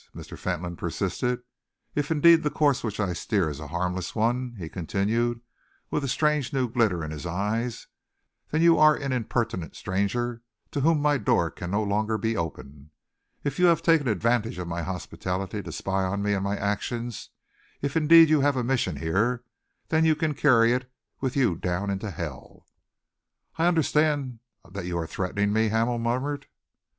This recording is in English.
Mr. Fentolin persisted. "If indeed the course which I steer is a harmless one," he continued, with a strange new glitter in his eyes, "then you are an impertinent stranger to whom my doors cannot any longer be open. If you have taken advantage of my hospitality to spy upon me and my actions, if indeed you have a mission here, then you can carry it with you down into hell!" "I understand that you are threatening me?" Hamel murmured.